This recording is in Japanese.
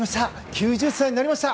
９０歳になりました。